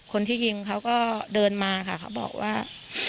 คนที่ยิงเขาก็เดินมาค่ะเขาบอกว่า